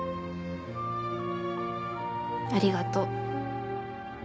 ありがと。